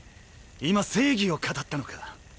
今正義を語ったのか？